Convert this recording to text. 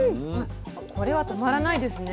これは止まらないですね。